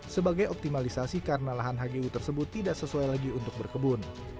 sebagai optimalisasi karena lahan hgu tersebut tidak sesuai lagi untuk berkebun